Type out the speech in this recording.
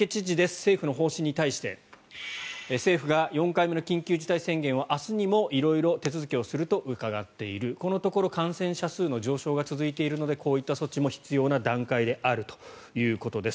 政府の方針に対して政府が４回目の緊急事態宣言を明日にも色々、手続きをすると伺っているこのところ感染者数の上昇が続いているのでこういった措置も必要な段階であるということです。